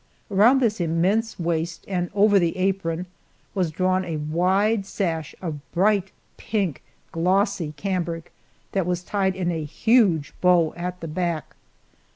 Around this immense waist and over the apron was drawn a wide sash of bright pink, glossy cambric that was tied in a huge bow at the back.